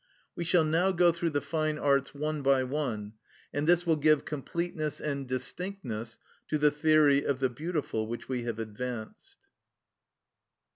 We shall now go through the fine arts one by one, and this will give completeness and distinctness to the theory of the beautiful which we have advanced.